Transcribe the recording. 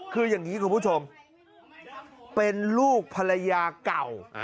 คืออย่างนี้คุณผู้ชมเป็นลูกภรรยาเก่า